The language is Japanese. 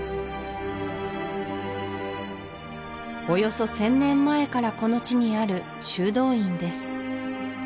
およそ１０００年前からこの地にある修道院です